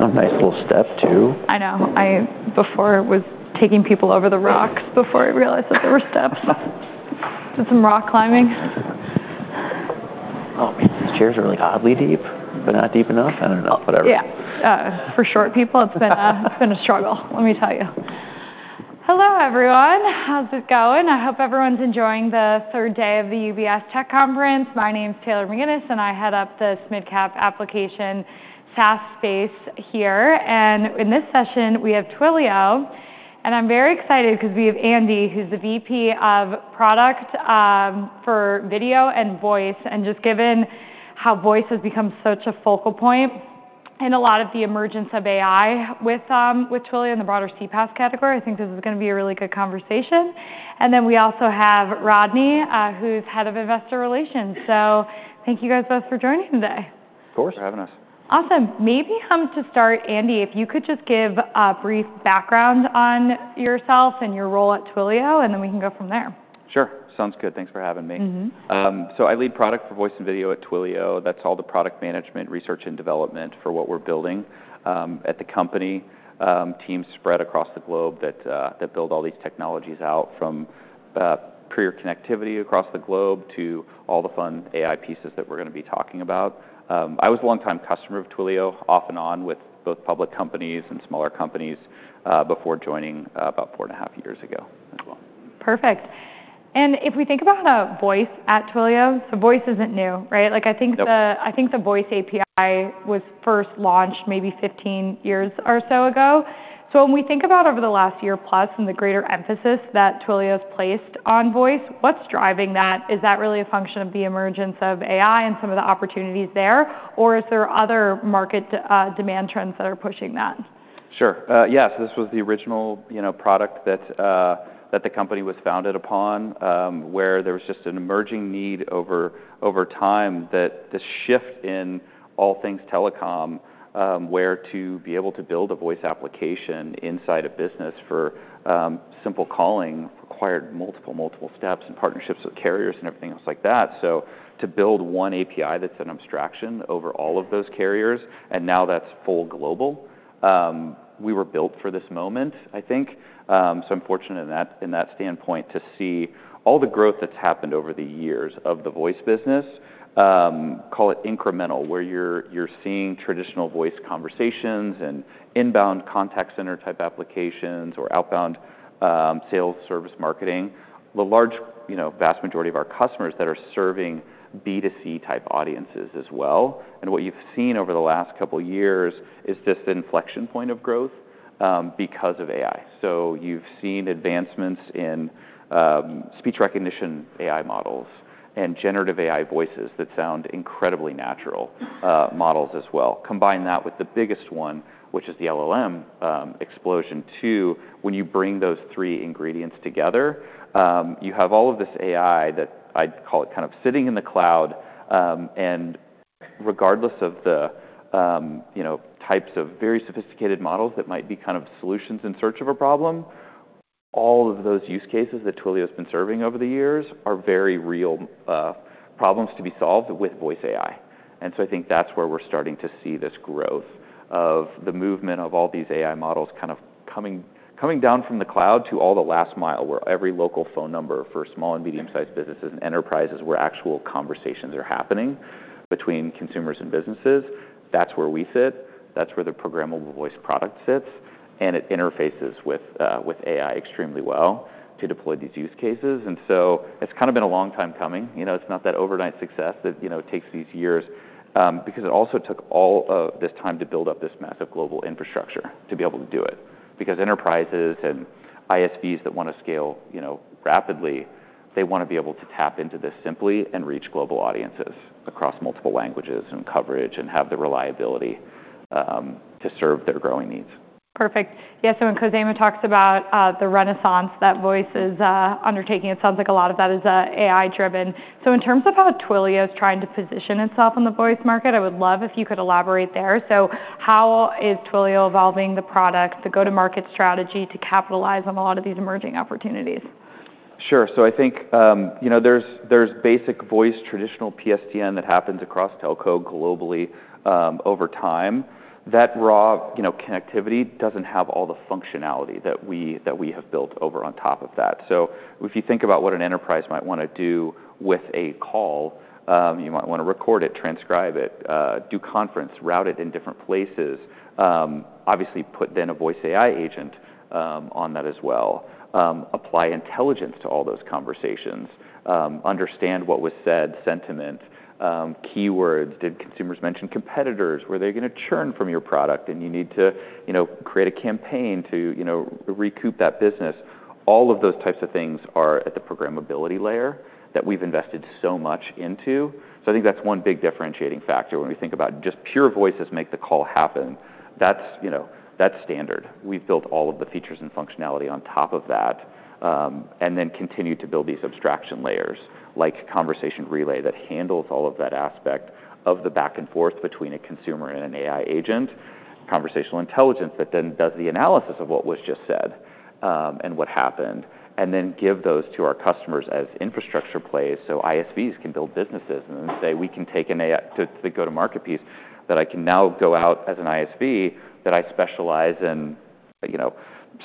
A nice little step too. I know. I, before, was taking people over the rocks before I realized that there were steps. Did some rock climbing. Oh, these chairs are really oddly deep, but not deep enough. I don't know, whatever. Yeah. For short people, it's been a struggle, let me tell you. Hello, everyone. How's it going? I hope everyone's enjoying the third day of the UBS Tech Conference. My name's Taylor McGinnis, and I head up the SMIDCAP Application SaaS space here. And in this session, we have Twilio. And I'm very excited because we have Andy, who's the VP of Product for Video and Voice. And just given how Voice has become such a focal point in a lot of the emergence of AI with Twilio and the broader CPaaS category, I think this is going to be a really good conversation. And then we also have Rodney, who's Head of Investor Relations. So thank you guys both for joining today. Of course. Thanks for having us. Awesome. Maybe to start, Andy, if you could just give a brief background on yourself and your role at Twilio, and then we can go from there. Sure. Sounds good. Thanks for having me. So I lead product for Voice and Video at Twilio. That's all the product management, research, and development for what we're building at the company. Teams spread across the globe that build all these technologies out from peer connectivity across the globe to all the fun AI pieces that we're going to be talking about. I was a longtime customer of Twilio, off and on with both public companies and smaller companies before joining about four and a half years ago as well. Perfect. And if we think about Voice at Twilio, so Voice isn't new, right? I think the Voice API was first launched maybe 15 years or so ago. So when we think about over the last year plus and the greater emphasis that Twilio has placed on Voice, what's driving that? Is that really a function of the emergence of AI and some of the opportunities there, or is there other market demand trends that are pushing that? Sure. Yeah. So this was the original product that the company was founded upon, where there was just an emerging need over time that the shift in all things telecom, where to be able to build a Voice application inside a business for simple calling required multiple, multiple steps and partnerships with carriers and everything else like that. So to build one API that's an abstraction over all of those carriers, and now that's full global, we were built for this moment, I think. So I'm fortunate in that standpoint to see all the growth that's happened over the years of the Voice business, call it incremental, where you're seeing traditional voice conversations and inbound contact center type applications or outbound sales service marketing. The large, vast majority of our customers that are serving B2C type audiences as well. What you've seen over the last couple of years is just an inflection point of growth because of AI. You've seen advancements in speech recognition AI models and generative AI voices that sound incredibly natural models as well. Combine that with the biggest one, which is the LLM explosion too. When you bring those three ingredients together, you have all of this AI that I'd call it kind of sitting in the cloud. Regardless of the types of very sophisticated models that might be kind of solutions in search of a problem, all of those use cases that Twilio has been serving over the years are very real problems to be solved with Voice AI. And so I think that's where we're starting to see this growth of the movement of all these AI models kind of coming down from the cloud to all the last mile where every local phone number for small and medium-sized businesses and enterprises where actual conversations are happening between consumers and businesses. That's where we sit. That's where the Programmable Voice product sits. And it interfaces with AI extremely well to deploy these use cases. And so it's kind of been a long time coming. It's not that overnight success that takes these years because it also took all of this time to build up this massive global infrastructure to be able to do it. Because enterprises and ISVs that want to scale rapidly, they want to be able to tap into this simply and reach global audiences across multiple languages and coverage and have the reliability to serve their growing needs. Perfect. Yeah. So when Khozema talks about the renaissance that Voice is undertaking, it sounds like a lot of that is AI-driven. So in terms of how Twilio is trying to position itself in the voice market, I would love if you could elaborate there. So how is Twilio evolving the product, the go-to-market strategy to capitalize on a lot of these emerging opportunities? Sure. So I think there's basic voice traditional PSTN that happens across telco globally over time. That raw connectivity doesn't have all the functionality that we have built over on top of that. So if you think about what an enterprise might want to do with a call, you might want to record it, transcribe it, do conference, route it in different places, obviously put then a Voice AI agent on that as well, apply intelligence to all those conversations, understand what was said, sentiment, keywords, did consumers mention competitors, were they going to churn from your product and you need to create a campaign to recoup that business. All of those types of things are at the programmability layer that we've invested so much into. So I think that's one big differentiating factor when we think about just pure voices make the call happen. That's standard. We've built all of the features and functionality on top of that and then continue to build these abstraction layers like Conversation Relay that handles all of that aspect of the back and forth between a consumer and an AI agent, Conversational Intelligence that then does the analysis of what was just said and what happened, and then give those to our customers as infrastructure plays so ISVs can build businesses and then say, "We can take an AI to the go-to-market piece that I can now go out as an ISV that I specialize in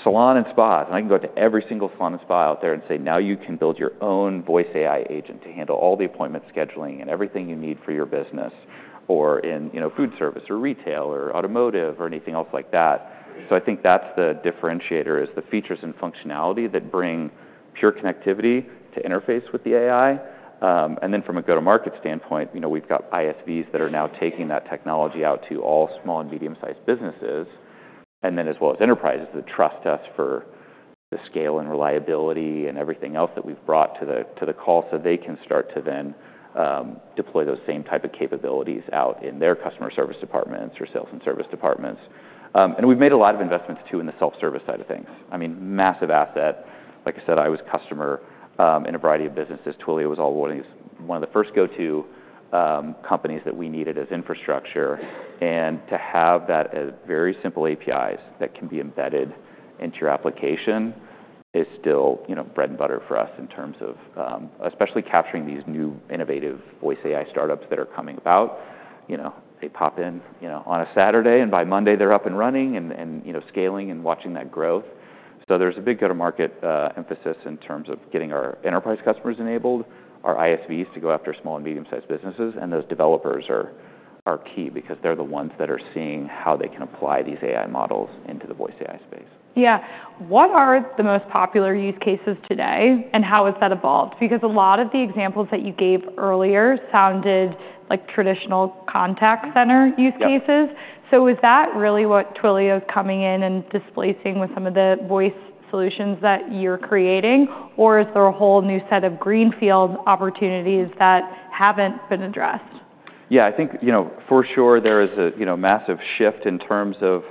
salons and spas," and I can go to every single salon and spa out there and say, "Now you can build your own Voice AI agent to handle all the appointment scheduling and everything you need for your business or in food service or retail or automotive or anything else like that," so I think that's the differentiator is the features and functionality that bring pure connectivity to interface with the AI. And then from a go-to-market standpoint, we've got ISVs that are now taking that technology out to all small and medium-sized businesses and then as well as enterprises that trust us for the scale and reliability and everything else that we've brought to the call so they can start to then deploy those same type of capabilities out in their customer service departments or sales and service departments. And we've made a lot of investments too in the self-service side of things. I mean, massive asset. Like I said, I was a customer in a variety of businesses. Twilio was one of the first go-to companies that we needed as infrastructure. And to have that as very simple APIs that can be embedded into your application is still bread and butter for us in terms of especially capturing these new innovative Voice AI startups that are coming about. They pop in on a Saturday, and by Monday, they're up and running and scaling and watching that growth. So there's a big go-to-market emphasis in terms of getting our enterprise customers enabled, our ISVs to go after small and medium-sized businesses. And those developers are key because they're the ones that are seeing how they can apply these AI models into the Voice AI space. Yeah. What are the most popular use cases today and how has that evolved? Because a lot of the examples that you gave earlier sounded like traditional contact center use cases. So is that really what Twilio is coming in and displacing with some of the Voice solutions that you're creating, or is there a whole new set of greenfield opportunities that haven't been addressed? Yeah. I think for sure there is a massive shift in terms of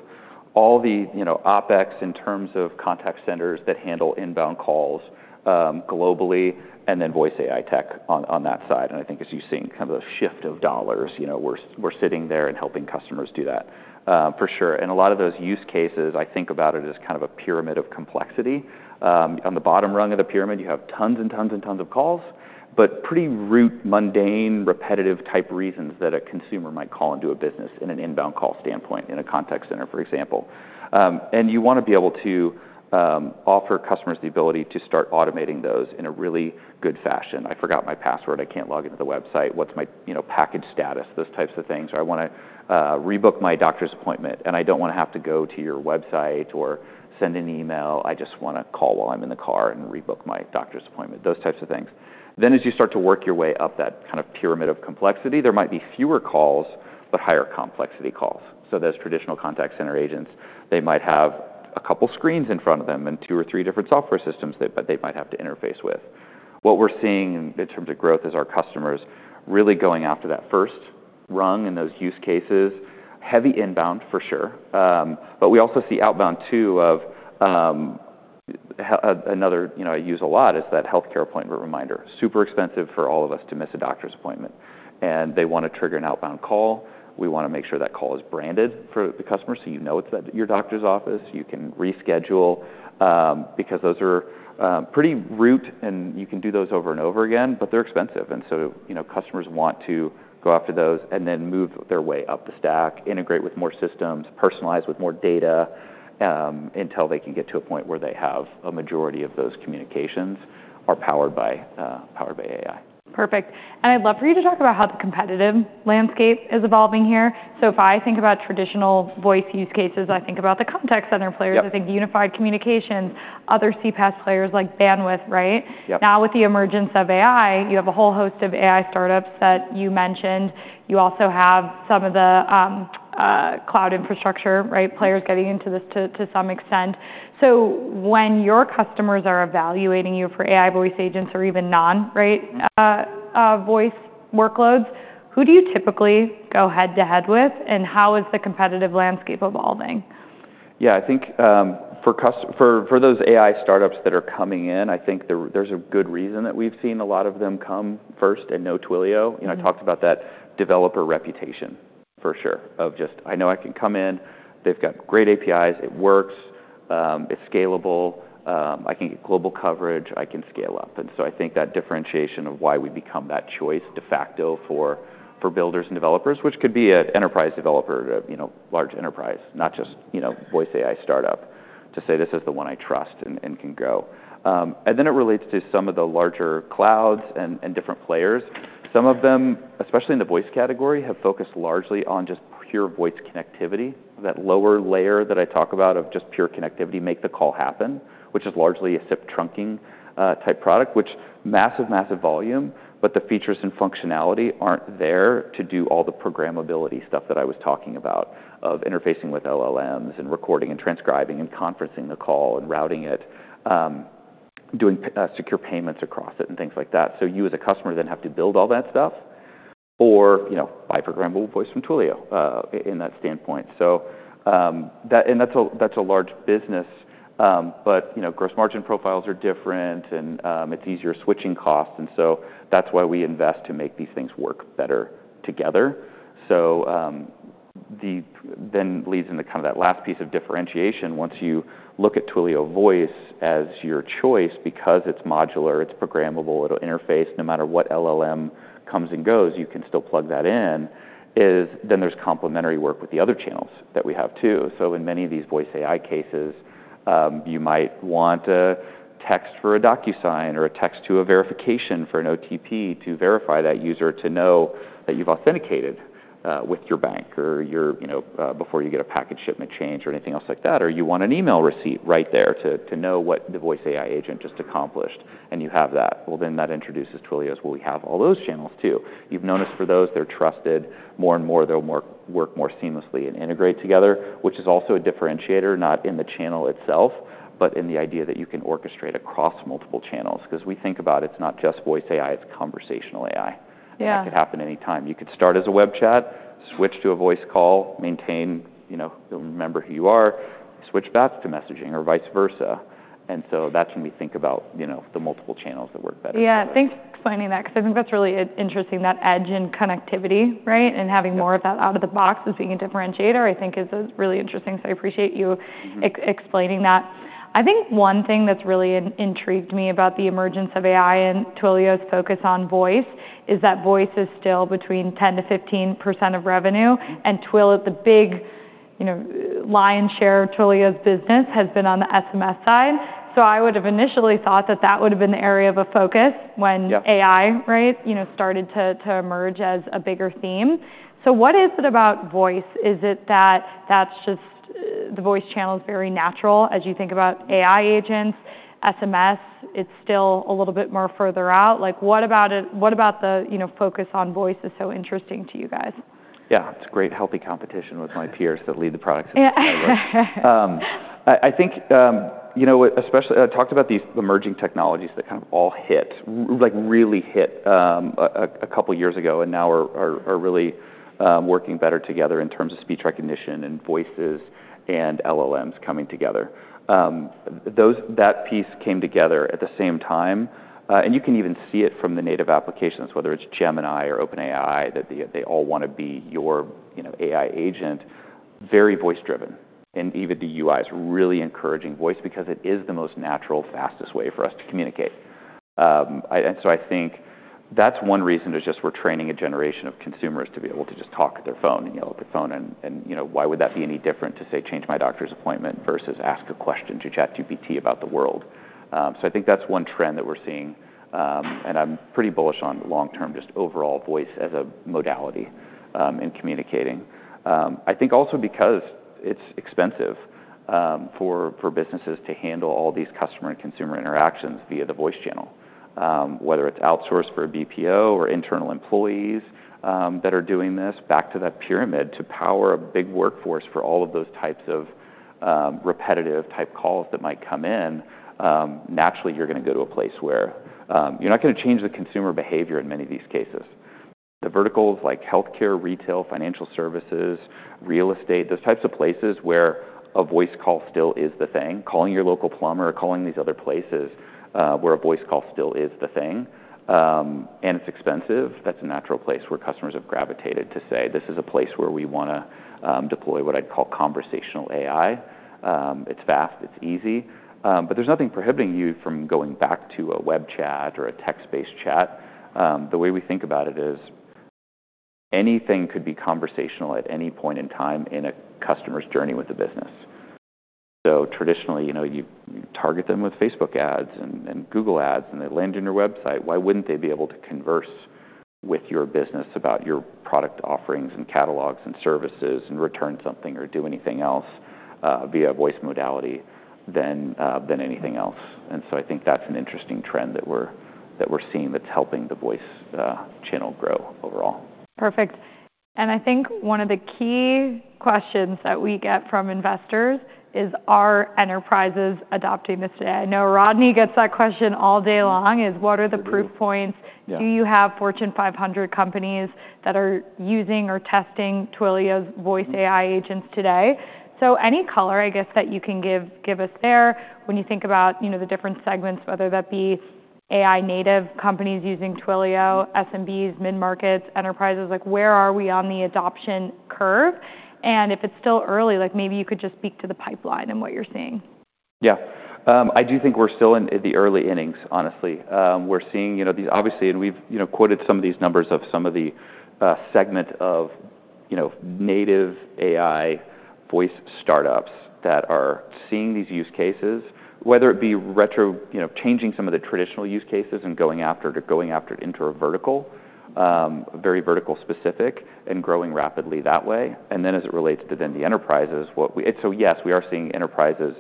all the OPEX in terms of contact centers that handle inbound calls globally and then Voice AI tech on that side. And I think as you've seen kind of the shift of dollars, we're sitting there and helping customers do that for sure. And a lot of those use cases, I think about it as kind of a pyramid of complexity. On the bottom rung of the pyramid, you have tons and tons and tons of calls, but pretty rote, mundane, repetitive type reasons that a consumer might call a business in an inbound call standpoint in a contact center, for example. And you want to be able to offer customers the ability to start automating those in a really good fashion. I forgot my password. I can't log into the website. What's my package status? Those types of things. Or I want to rebook my doctor's appointment, and I don't want to have to go to your website or send an email. I just want to call while I'm in the car and rebook my doctor's appointment, those types of things. Then as you start to work your way up that kind of pyramid of complexity, there might be fewer calls, but higher complexity calls. So those traditional contact center agents, they might have a couple of screens in front of them and two or three different software systems that they might have to interface with. What we're seeing in terms of growth is our customers really going after that first rung in those use cases, heavy inbound for sure. But we also see outbound too. One other I use a lot is that healthcare appointment reminder. Super expensive for all of us to miss a doctor's appointment. And they want to trigger an outbound call. We want to make sure that call is branded for the customer so you know it's at your doctor's office. You can reschedule because those are pretty rote, and you can do those over and over again, but they're expensive. And so customers want to go after those and then move their way up the stack, integrate with more systems, personalize with more data until they can get to a point where a majority of those communications are powered by AI. Perfect. And I'd love for you to talk about how the competitive landscape is evolving here. So if I think about traditional Voice use cases, I think about the contact center players. I think Unified Communications, other CPaaS players like Bandwidth, right? Now with the emergence of AI, you have a whole host of AI startups that you mentioned. You also have some of the cloud infrastructure players getting into this to some extent. So when your customers are evaluating you for AI Voice agents or even non-Voice workloads, who do you typically go head to head with, and how is the competitive landscape evolving? Yeah. I think for those AI startups that are coming in, I think there's a good reason that we've seen a lot of them come first to Twilio. I talked about that developer reputation for sure of just, "I know I can come in. They've got great APIs. It works. It's scalable. I can get global coverage. I can scale up." And so I think that differentiation of why we become that choice de facto for builders and developers, which could be an enterprise developer, a large enterprise, not just Voice AI startup, to say, "This is the one I trust and can grow." And then it relates to some of the larger clouds and different players. Some of them, especially in the Voice category, have focused largely on just pure Voice connectivity. That lower layer that I talk about of just pure connectivity, make the call happen, which is largely a SIP trunking type product, which massive, massive volume, but the features and functionality aren't there to do all the programmability stuff that I was talking about of interfacing with LLMs and recording and transcribing and conferencing the call and routing it, doing secure payments across it and things like that. So you as a customer then have to build all that stuff or buy Programmable Voice from Twilio in that standpoint. And that's a large business, but gross margin profiles are different, and it's easier switching costs. And so that's why we invest to make these things work better together. So then leads into kind of that last piece of differentiation. Once you look at Twilio Voice as your choice because it's modular, it's programmable, it'll interface no matter what LLM comes and goes, you can still plug that in, then there's complementary work with the other channels that we have too. So in many of these Voice AI cases, you might want a text for a DocuSign or a text to a verification for an OTP to verify that user to know that you've authenticated with your bank or before you get a package shipment change or anything else like that, or you want an email receipt right there to know what the Voice AI agent just accomplished and you have that. Well, then that introduces Twilio as, "Well, we have all those channels too." You've known us for those. They're trusted more and more. They'll work more seamlessly and integrate together, which is also a differentiator, not in the channel itself, but in the idea that you can orchestrate across multiple channels. Because we think about, it's not just Voice AI, it's conversational AI. That could happen anytime. You could start as a web chat, switch to a voice call, maintain, remember who you are, switch back to messaging or vice versa. And so that's when we think about the multiple channels that work better. Yeah. Thanks for explaining that because I think that's really interesting, that edge in connectivity, right? And having more of that out of the box as being a differentiator, I think, is really interesting. So I appreciate you explaining that. I think one thing that's really intrigued me about the emergence of AI and Twilio's focus on Voice is that Voice is still between 10%-15% of revenue, and Twilio, the big lion's share of Twilio's business, has been on the SMS side. So I would have initially thought that that would have been the area of a focus when AI started to emerge as a bigger theme. So what is it about Voice? Is it that the Voice channel is very natural as you think about AI agents, SMS? It's still a little bit more further out. What about the focus on Voice is so interesting to you guys? Yeah. It's great, healthy competition with my peers that lead the products. I think I talked about these emerging technologies that kind of all hit, really hit a couple of years ago, and now are really working better together in terms of speech recognition and voices and LLMs coming together. That piece came together at the same time. You can even see it from the native applications, whether it's Gemini or OpenAI, that they all want to be your AI agent, very voice-driven. Even the UI is really encouraging voice because it is the most natural, fastest way for us to communicate. So I think that's one reason is just we're training a generation of consumers to be able to just talk at their phone and yell at their phone. And why would that be any different to say, "Change my doctor's appointment," versus ask a question to ChatGPT about the world? So I think that's one trend that we're seeing. And I'm pretty bullish on long-term just overall voice as a modality in communicating. I think also because it's expensive for businesses to handle all these customer and consumer interactions via the voice channel, whether it's outsourced for a BPO or internal employees that are doing this, back to that pyramid to power a big workforce for all of those types of repetitive calls that might come in, naturally, you're going to go to a place where you're not going to change the consumer behavior in many of these cases. The verticals like healthcare, retail, financial services, real estate, those types of places where a voice call still is the thing, calling your local plumber or calling these other places where a voice call still is the thing. And it's expensive. That's a natural place where customers have gravitated to say, "This is a place where we want to deploy what I'd call conversational AI." It's fast. It's easy. But there's nothing prohibiting you from going back to a web chat or a text-based chat. The way we think about it is anything could be conversational at any point in time in a customer's journey with the business. So traditionally, you target them with Facebook ads and Google ads, and they land on your website. Why wouldn't they be able to converse with your business about your product offerings and catalogs and services and return something or do anything else via Voice modality than anything else? And so I think that's an interesting trend that we're seeing that's helping the Voice channel grow overall. Perfect. And I think one of the key questions that we get from investors is, "Are enterprises adopting this today?" I know Rodney gets that question all day long, "What are the proof points? Do you have Fortune 500 companies that are using or testing Twilio's Voice AI agents today?" So any color, I guess, that you can give us there when you think about the different segments, whether that be AI-native companies using Twilio, SMBs, mid-markets, enterprises, where are we on the adoption curve? And if it's still early, maybe you could just speak to the pipeline and what you're seeing? Yeah. I do think we're still in the early innings, honestly. We're seeing these, obviously, and we've quoted some of these numbers of some of the segment of native AI Voice startups that are seeing these use cases, whether it be changing some of the traditional use cases and going after it into a vertical, very vertical specific, and growing rapidly that way. And then as it relates to then the enterprises, so yes, we are seeing enterprises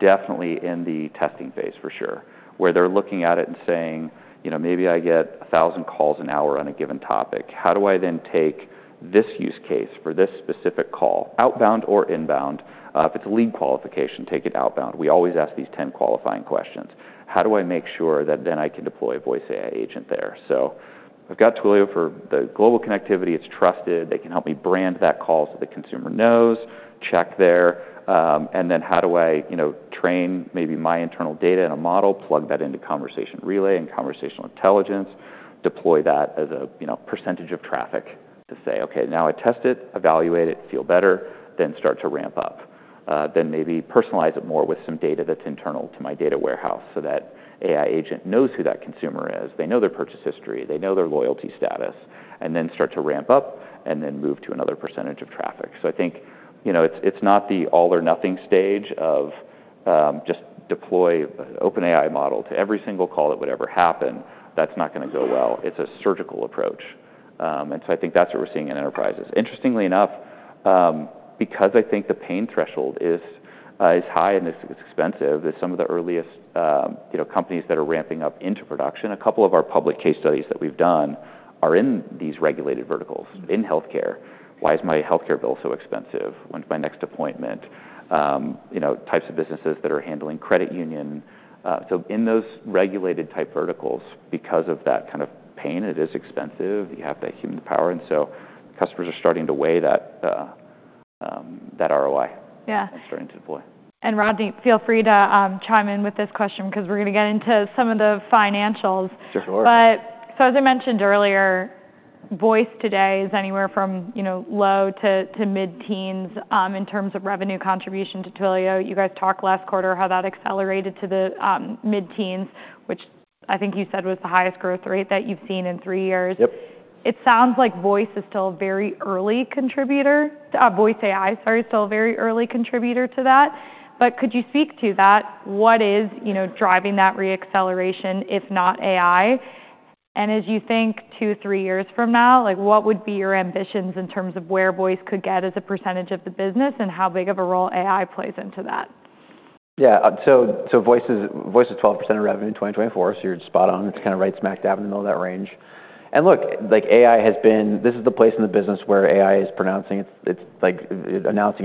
definitely in the testing phase for sure, where they're looking at it and saying, "Maybe I get 1,000 calls an hour on a given topic. How do I then take this use case for this specific call, outbound or inbound? If it's a lead qualification, take it outbound." We always ask these 10 qualifying questions. How do I make sure that then I can deploy a Voice AI agent there? I've got Twilio for the global connectivity. It's trusted. They can help me brand that call so the consumer knows, check there. And then how do I train maybe my internal data in a model, plug that into Conversation Relay and Conversational Intelligence, deploy that as a percentage of traffic to say, "Okay, now I test it, evaluate it, feel better, then start to ramp up." Then maybe personalize it more with some data that's internal to my data warehouse so that AI agent knows who that consumer is. They know their purchase history. They know their loyalty status. And then start to ramp up and then move to another percentage of traffic. So I think it's not the all-or-nothing stage of just deploy an OpenAI model to every single call that would ever happen. That's not going to go well. It's a surgical approach. And so I think that's what we're seeing in enterprises. Interestingly enough, because I think the pain threshold is high and it's expensive, some of the earliest companies that are ramping up into production, a couple of our public case studies that we've done are in these regulated verticals, in healthcare. Why is my healthcare bill so expensive? When's my next appointment? Types of businesses that are handling credit union. So in those regulated type verticals, because of that kind of pain, it is expensive. You have that human power. And so customers are starting to weigh that ROI and starting to deploy. Rodney, feel free to chime in with this question because we're going to get into some of the financials. Sure. But so as I mentioned earlier, Voice today is anywhere from low to mid-teens in terms of revenue contribution to Twilio. You guys talked last quarter how that accelerated to the mid-teens, which I think you said was the highest growth rate that you've seen in three years. Yep. It sounds like Voice is still a very early contributor. Voice AI, sorry, is still a very early contributor to that. But could you speak to that? What is driving that reacceleration, if not AI? And as you think two, three years from now, what would be your ambitions in terms of where Voice could get as a percentage of the business and how big of a role AI plays into that? Yeah. So Voice is 12% of revenue in 2024. So you're spot on. It's kind of right smack dab in the middle of that range. And look, AI has been; this is the place in the business where AI is announcing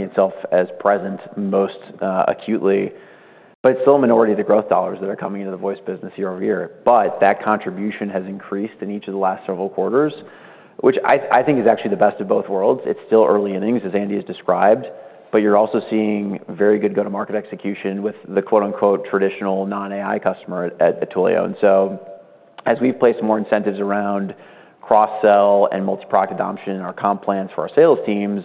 itself as present most acutely. But it's still a minority of the growth dollars that are coming into the Voice business year-over-year. But that contribution has increased in each of the last several quarters, which I think is actually the best of both worlds. It's still early innings, as Andy has described, but you're also seeing very good go-to-market execution with the "traditional non-AI customer" at Twilio. And so as we've placed more incentives around cross-sell and multi-product adoption in our comp plans for our sales teams,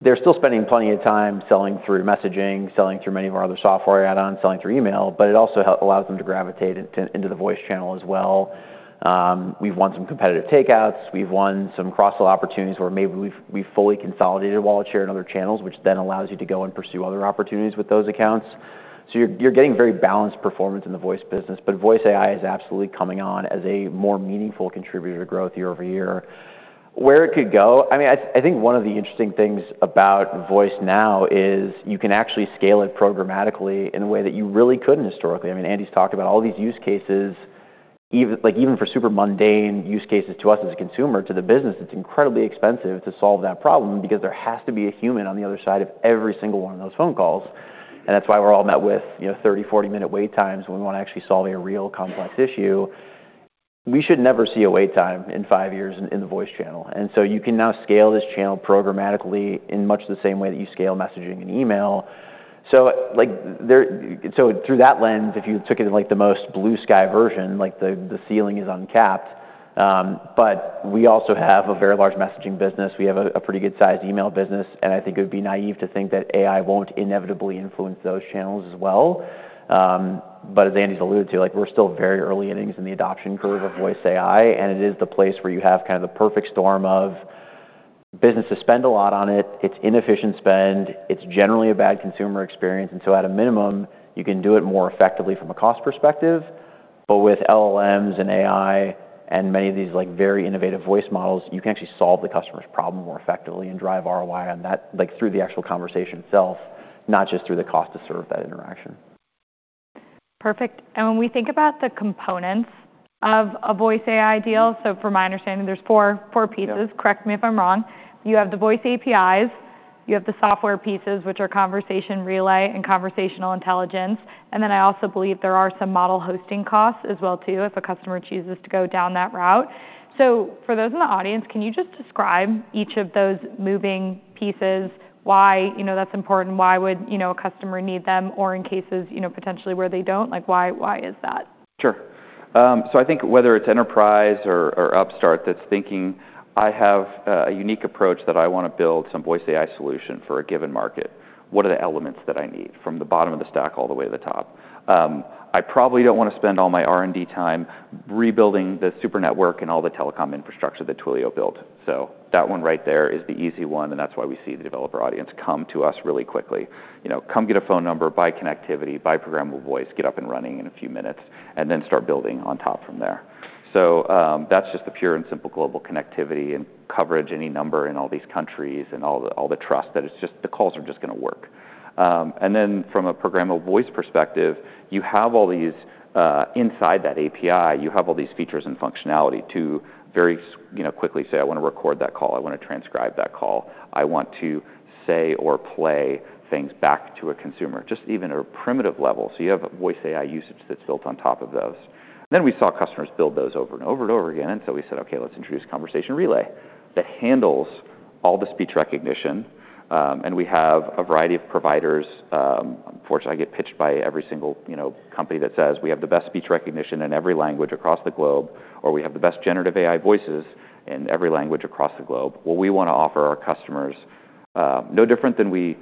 they're still spending plenty of time selling through messaging, selling through many of our other software add-ons, selling through email, but it also allows them to gravitate into the Voice channel as well. We've won some competitive takeouts. We've won some cross-sell opportunities where maybe we've fully consolidated while it's shared in other channels, which then allows you to go and pursue other opportunities with those accounts. So you're getting very balanced performance in the Voice business, but Voice AI is absolutely coming on as a more meaningful contributor to growth year-over-year. Where it could go? I mean, I think one of the interesting things about Voice now is you can actually scale it programmatically in a way that you really couldn't historically. I mean, Andy's talked about all these use cases, even for super mundane use cases to us as a consumer, to the business, it's incredibly expensive to solve that problem because there has to be a human on the other side of every single one of those phone calls. And that's why we're all met with 30 minute-40-minute wait times when we want to actually solve a real complex issue. We should never see a wait time in five years in the Voice channel. And so you can now scale this channel programmatically in much the same way that you scale messaging and email. So through that lens, if you took it in the most blue sky version, the ceiling is uncapped. But we also have a very large messaging business. We have a pretty good-sized email business. And I think it would be naive to think that AI won't inevitably influence those channels as well. But as Andy's alluded to, we're still very early innings in the adoption curve of Voice AI. And it is the place where you have kind of the perfect storm of businesses spend a lot on it. It's inefficient spend. It's generally a bad consumer experience. And so at a minimum, you can do it more effectively from a cost perspective. But with LLMs and AI and many of these very innovative voice models, you can actually solve the customer's problem more effectively and drive ROI on that through the actual conversation itself, not just through the cost to serve that interaction. Perfect. And when we think about the components of a Voice AI deal, so from my understanding, there's four pieces. Correct me if I'm wrong. You have the Voice APIs. You have the software pieces, which are Conversation Relay and Conversational Intelligence. And then I also believe there are some model hosting costs as well too if a customer chooses to go down that route. So for those in the audience, can you just describe each of those moving pieces, why that's important, why would a customer need them, or in cases potentially where they don't? Why is that? Sure. So I think whether it's enterprise or upstart that's thinking, "I have a unique approach that I want to build some Voice AI solution for a given market. What are the elements that I need from the bottom of the stack all the way to the top?" I probably don't want to spend all my R&D time rebuilding the Super Network and all the telecom infrastructure that Twilio built. So that one right there is the easy one. And that's why we see the developer audience come to us really quickly. Come get a phone number, buy connectivity, buy Programmable Voice, get up and running in a few minutes, and then start building on top from there. So that's just the pure and simple global connectivity and coverage any number in all these countries and all the trust that the calls are just going to work. And then from a Programmable Voice perspective, you have all these inside that API. You have all these features and functionality to very quickly say, "I want to record that call. I want to transcribe that call. I want to say or play things back to a consumer," just even at a primitive level. So you have a Voice AI usage that's built on top of those. Then we saw customers build those over and over and over again. And so we said, "Okay, let's introduce Conversation Relay that handles all the speech recognition." And we have a variety of providers. Unfortunately, I get pitched by every single company that says, "We have the best speech recognition in every language across the globe," or, "We have the best generative AI voices in every language across the globe." Well, we want to offer our customers no different than we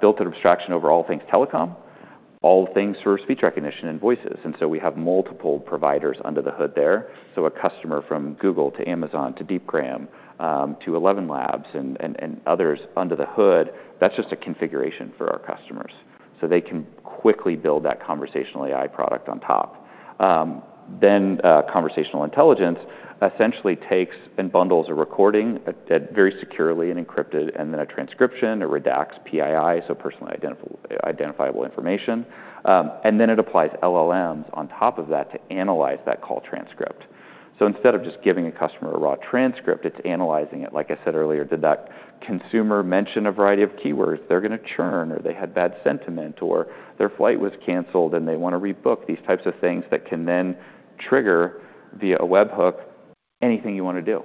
built an abstraction over all things telecom, all things for speech recognition and voices. And so we have multiple providers under the hood there. So a customer from Google to Amazon to Deepgram to ElevenLabs and others under the hood, that's just a configuration for our customers. So they can quickly build that conversational AI product on top. Then Conversational Intelligence essentially takes and bundles a recording very securely and encrypted, and then a transcription and redacts PII, so personally identifiable information. And then it applies LLMs on top of that to analyze that call transcript. So instead of just giving a customer a raw transcript, it's analyzing it. Like I said earlier, did that consumer mention a variety of keywords? They're going to churn, or they had bad sentiment, or their flight was canceled, and they want to rebook. These types of things that can then trigger via a webhook anything you want to do.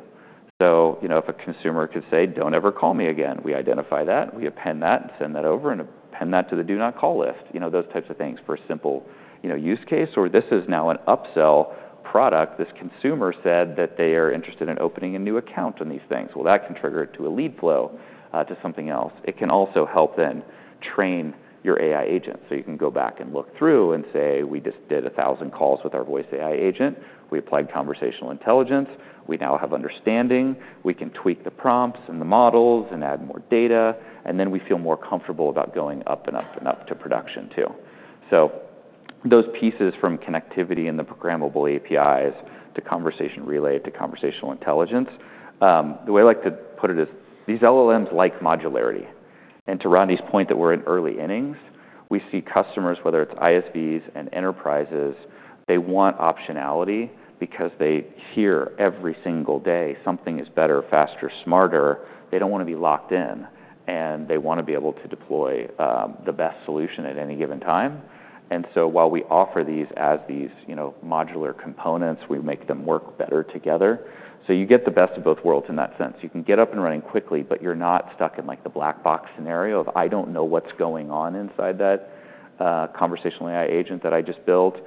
So if a consumer could say, "Don't ever call me again," we identify that. We append that and send that over and append that to the do not call list. Those types of things for a simple use case, or this is now an upsell product. This consumer said that they are interested in opening a new account on these things. Well, that can trigger it to a lead flow to something else. It can also help then train your AI agent. So you can go back and look through and say, "We just did 1,000 calls with our Voice AI agent. We applied conversational intelligence. We now have understanding. We can tweak the prompts and the models and add more data." And then we feel more comfortable about going up and up and up to production too. So those pieces from connectivity and the programmable APIs to conversation relay to conversational intelligence, the way I like to put it is these LLMs like modularity. And to Rodney's point that we're in early innings, we see customers, whether it's ISVs and enterprises, they want optionality because they hear every single day something is better, faster, smarter. They don't want to be locked in, and they want to be able to deploy the best solution at any given time. And so while we offer these as modular components, we make them work better together. So you get the best of both worlds in that sense. You can get up and running quickly, but you're not stuck in the black box scenario of, "I don't know what's going on inside that conversational AI agent that I just built."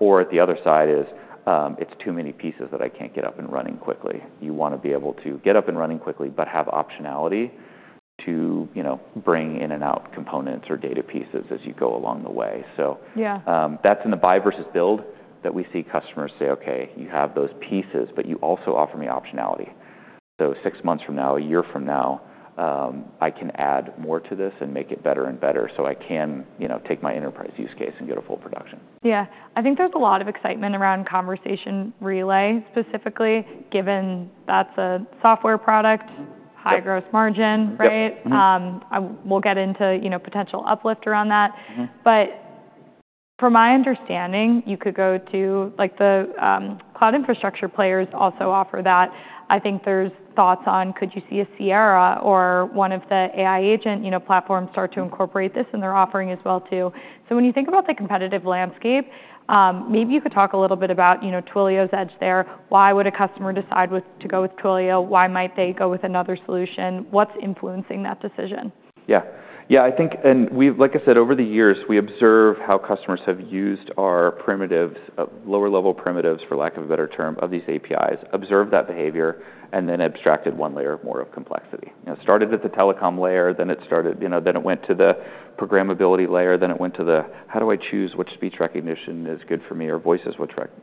Or the other side is, "It's too many pieces that I can't get up and running quickly." You want to be able to get up and running quickly but have optionality to bring in and out components or data pieces as you go along the way. So that's in the buy versus build that we see customers say, "Okay, you have those pieces, but you also offer me optionality." So six months from now, a year from now, I can add more to this and make it better and better so I can take my enterprise use case and get a full production. Yeah. I think there's a lot of excitement around Conversation Relay specifically, given that's a software product, high gross margin, right? We'll get into potential uplift around that. But from my understanding, you could go to the cloud infrastructure players also offer that. I think there's thoughts on, could you see a Sierra or one of the AI agent platforms start to incorporate this in their offering as well too? So when you think about the competitive landscape, maybe you could talk a little bit about Twilio's edge there. Why would a customer decide to go with Twilio? Why might they go with another solution? What's influencing that decision? Yeah. Yeah. And like I said, over the years, we observe how customers have used our primitives, lower-level primitives, for lack of a better term, of these APIs, observed that behavior, and then abstracted one layer more of complexity. It started at the telecom layer. Then it went to the programmability layer. Then it went to the, "How do I choose which speech recognition is good for me or voice is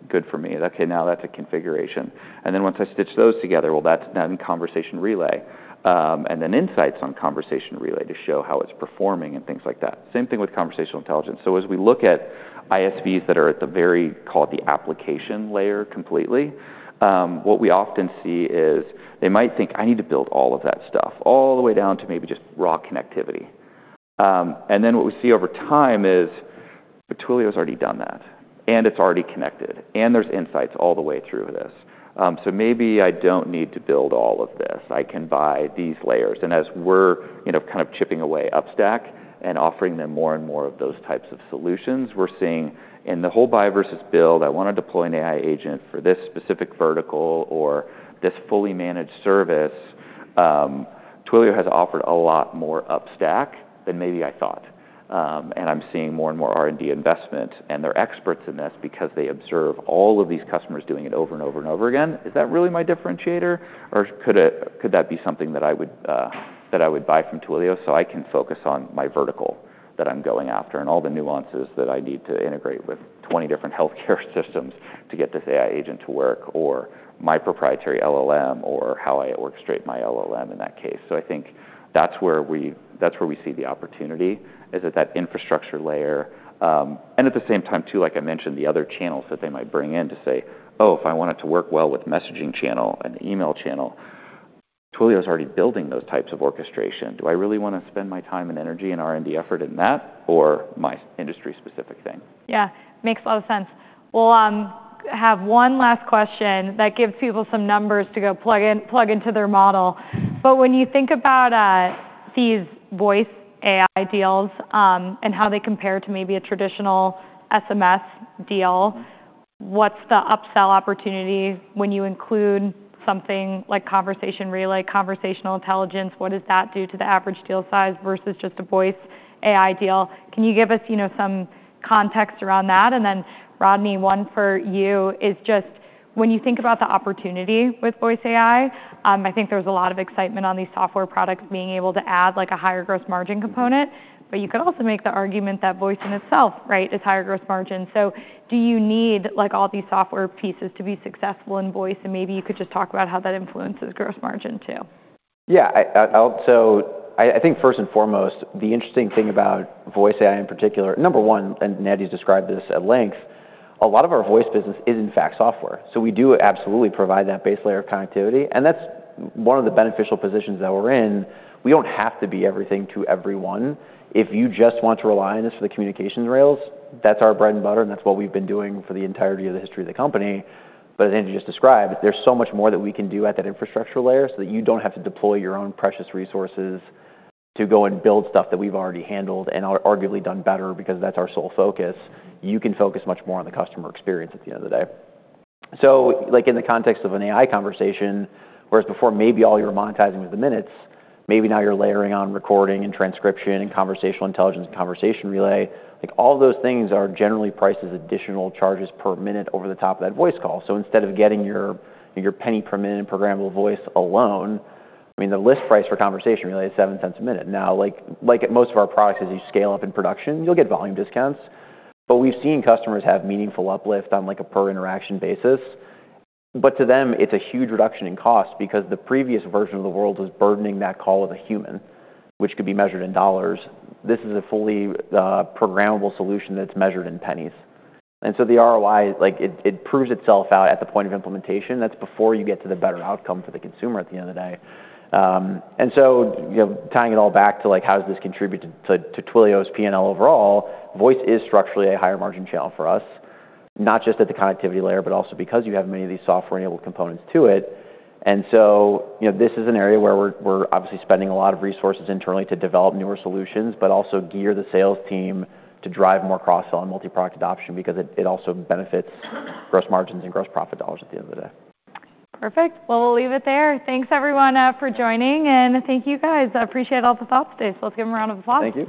good for me?" Okay, now that's a configuration. And then once I stitch those together, well, that's done Conversation Relay. And then insights on Conversation Relay to show how it's performing and things like that. Same thing with Conversational Intelligence. So as we look at ISVs that are at the very top, called the application layer, completely, what we often see is they might think, "I need to build all of that stuff, all the way down to maybe just raw connectivity." And then what we see over time is Twilio has already done that. And it's already connected. And there's insights all the way through this. So maybe I don't need to build all of this. I can buy these layers. And as we're kind of chipping away upstack and offering them more and more of those types of solutions, we're seeing in the whole buy versus build, "I want to deploy an AI agent for this specific vertical or this fully managed service." Twilio has offered a lot more upstack than maybe I thought. And I'm seeing more and more R&D investment. And they're experts in this because they observe all of these customers doing it over and over and over again. Is that really my differentiator? Or could that be something that I would buy from Twilio so I can focus on my vertical that I'm going after and all the nuances that I need to integrate with 20 different healthcare systems to get this AI agent to work or my proprietary LLM or how I orchestrate my LLM in that case? So I think that's where we see the opportunity is at that infrastructure layer. And at the same time too, like I mentioned, the other channels that they might bring in to say, "Oh, if I want it to work well with messaging channel and email channel, Twilio is already building those types of orchestration. Do I really want to spend my time and energy and R&D effort in that or my industry-specific thing? Yeah. Makes a lot of sense. We'll have one last question that gives people some numbers to go plug into their model. But when you think about these Voice AI deals and how they compare to maybe a traditional SMS deal, what's the upsell opportunity when you include something like Conversation Relay, Conversational Intelligence? What does that do to the average deal size versus just a Voice AI deal? Can you give us some context around that? And then Rodney, one for you is just when you think about the opportunity with Voice AI, I think there's a lot of excitement on these software products being able to add a higher gross margin component. But you could also make the argument that voice in itself, right, is higher gross margin. So do you need all these software pieces to be successful in voice? Maybe you could just talk about how that influences gross margin too. Yeah, so I think first and foremost, the interesting thing about Voice AI in particular, number one, and Andy's described this at length, a lot of our voice business is, in fact, software. So we do absolutely provide that base layer of connectivity, and that's one of the beneficial positions that we're in. We don't have to be everything to everyone. If you just want to rely on this for the communication rails, that's our bread and butter, and that's what we've been doing for the entirety of the history of the company, but as Andy just described, there's so much more that we can do at that infrastructure layer so that you don't have to deploy your own precious resources to go and build stuff that we've already handled and arguably done better because that's our sole focus. You can focus much more on the customer experience at the end of the day. So in the context of an AI conversation, whereas before maybe all you were monetizing was the minutes, maybe now you're layering on recording and transcription and conversational intelligence and conversation relay, all of those things are generally priced as additional charges per minute over the top of that voice call. So instead of getting your $0.01 per minute in programmable voice alone, I mean, the list price for conversation relay is $0.07 a minute. Now, like most of our products, as you scale up in production, you'll get volume discounts. But we've seen customers have meaningful uplift on a per interaction basis. But to them, it's a huge reduction in cost because the previous version of the world was burdening that call with a human, which could be measured in dollars. This is a fully programmable solution that's measured in pennies. And so the ROI, it proves itself out at the point of implementation. That's before you get to the better outcome for the consumer at the end of the day. And so tying it all back to how does this contribute to Twilio's P&L overall, voice is structurally a higher margin channel for us, not just at the connectivity layer, but also because you have many of these software-enabled components to it. And so this is an area where we're obviously spending a lot of resources internally to develop newer solutions, but also gear the sales team to drive more cross-sell and multi-product adoption because it also benefits gross margins and gross profit dollars at the end of the day. Perfect. Well, we'll leave it there. Thanks, everyone, for joining. And thank you, guys. I appreciate all the thoughts today. So let's give them a round of applause. Thank you.